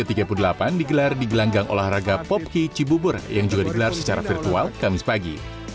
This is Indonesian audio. peringatan h o r n a s ke tiga puluh delapan digelar di gelanggang olahraga popki cibubur yang juga digelar secara virtual kamis pagi